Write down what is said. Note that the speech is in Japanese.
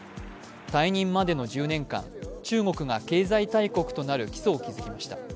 退任までの１０年間、中国が経済大国となる基礎を築きました。